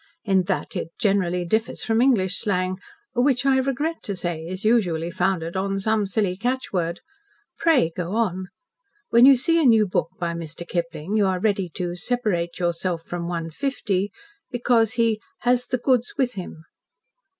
In that it generally differs from English slang, which I regret to say is usually founded on some silly catch word. Pray go on. When you see a new book by Mr. Kipling, you are ready to 'separate yourself from one fifty' because he 'has the goods with him.'"